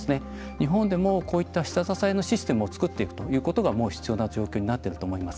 日本でも、こういった下支えのシステムを作っていくことが必要な状況になっていると思います。